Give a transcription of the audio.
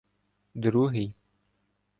Другий